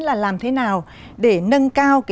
là làm thế nào để nâng cao